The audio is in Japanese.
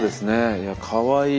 いやかわいい。